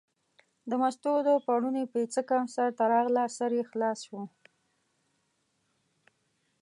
د مستو د پړوني پیڅکه سر ته راغله، سر یې خلاص شو.